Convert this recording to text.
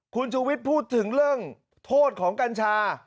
คุณชูวิทย์พูดถึงเรื่องโทษของกัญชา